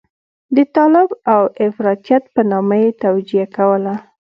د طالب او افراطيت په نامه یې توجیه کوله.